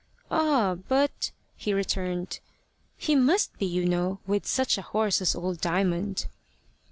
"Ah, but," he returned, "he must be, you know, with such a horse as old Diamond."